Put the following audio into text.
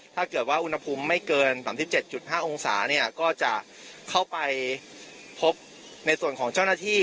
ถ้าเกิดว่าอุณหภูมิไม่เกิน๓๗๕องศาเนี่ยก็จะเข้าไปพบในส่วนของเจ้าหน้าที่